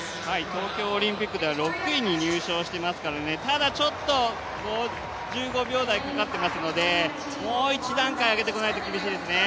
東京オリンピックでは６位に入賞していますからただ、ちょっと１５秒台かかっていますので、もう一段階上げていかなきゃ苦しいですね。